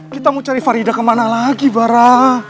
kita mau cari farida kemana lagi bara